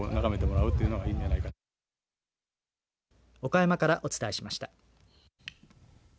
岡山からお伝えしました。